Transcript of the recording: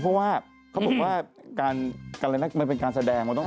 เมื่อก่อนเขาไม่จูบจริง